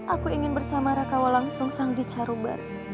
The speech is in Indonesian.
aku ingin bersama rekawalangsung sang dicarubar